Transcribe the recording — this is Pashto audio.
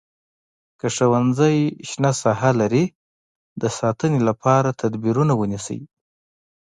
که ښوونځی شنه ساحه لري د ساتنې لپاره تدبیرونه ونیسئ.